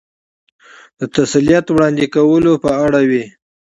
د تسلیت وړاندې کولو په اړه وې.